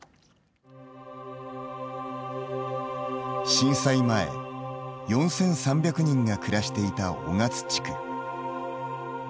震災前、４３００人が暮らしていた雄勝地区。